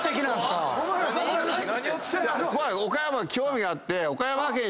岡山に興味があって。